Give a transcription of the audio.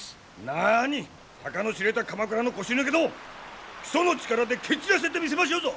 なに高の知れた鎌倉の腰抜けども木曽の力で蹴散らしてみせましょうぞ。